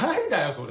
それ。